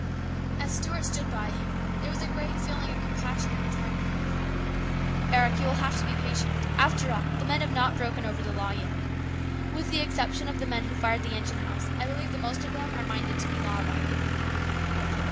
As Stuart stood by him, there was a great feeling of compassion in his heart for him. " Eric, you will have to be patient. After all, the men have not broken over the law yet. With the exception of the men who fired the engine house, I believe the most of them are minded to be law abiding."